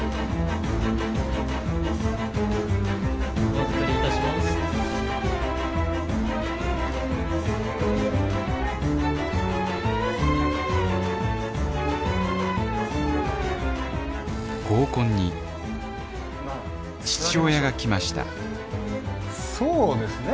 お預かり致します合コンに父親が来ましたそうですね。